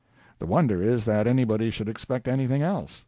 The wonder is that anybody should expect anything else.